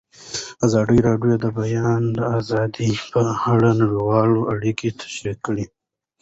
ازادي راډیو د د بیان آزادي په اړه نړیوالې اړیکې تشریح کړي.